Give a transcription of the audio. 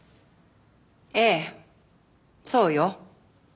ええそうよ。